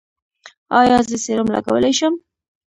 ایا زه سیروم لګولی شم؟